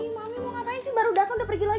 iy mami mau ngapain sih baru dateng udah pergi lagi